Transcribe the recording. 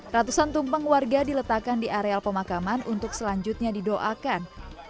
ratusan tumpeng warga diletakkan di areal pemakaman untuk selanjutnya didoakan